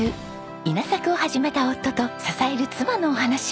稲作を始めた夫と支える妻のお話。